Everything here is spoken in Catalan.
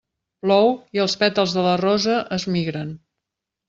Plou i els pètals de la rosa es migren.